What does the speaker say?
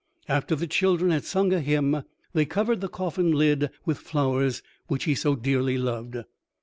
After the children had sung a hymn, they covered the coffin lid with flowers, which he so dearly loved.